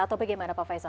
atau bagaimana pak faisal